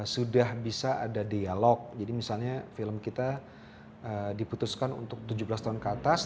sudah bisa ada dialog jadi misalnya film kita diputuskan untuk tujuh belas tahun ke atas